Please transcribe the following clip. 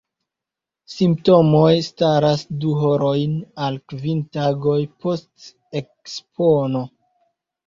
Simptomoj startas du horojn al kvin tagoj post ekspono.